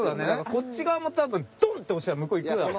こっち側も多分ドンッて押したら向こう行くだろ。